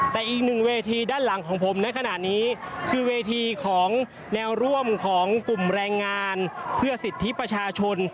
แต่อีกหนึ่งเวทีด้านหลังของผมในขณะนี้คือเวทีของแนวร่วมของกลุ่มแรงงานเพื่อสิทธิประชาชน